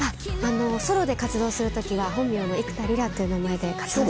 ソロで活動する時は本名の幾田りらという名前で活動しています。